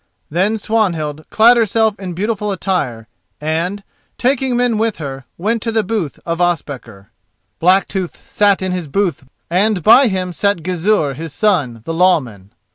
Then Swanhild clad herself in beautiful attire, and, taking men with her, went to the booth of Ospakar. Blacktooth sat in his booth and by him sat Gizur his son the Lawman.